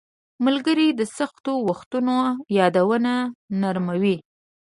• ملګري د سختو وختونو یادونه نرموي.